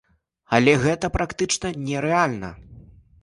Але гэта практычна нерэальна.